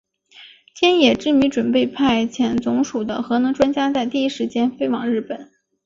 天野之弥准备派遣总署的核能专家在第一时间飞往日本。